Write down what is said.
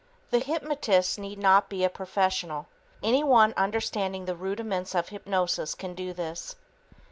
The hypnotist need not be a professional. Anyone understanding the rudiments of hypnosis can do this.